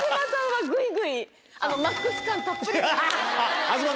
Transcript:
はい。